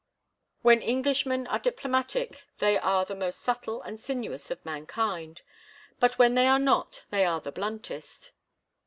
When Englishmen are diplomatic they are the most subtle and sinuous of mankind, but when they are not they are the bluntest.